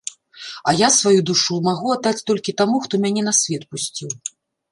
А я сваю душу магу аддаць толькі таму, хто мяне на свет пусціў.